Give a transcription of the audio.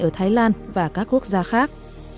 ở thái lan và các quốc gia khác